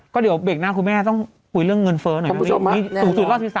ก็เดี๋ยวเบรกหน้าคุณแม่ต้องคุยเรื่องเงินเฟ้อหน่อยนะนี่สูงสุดละ๔๓ปีแม่